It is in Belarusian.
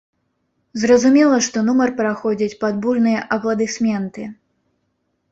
Зразумела, што нумар праходзіць пад бурныя апладысменты.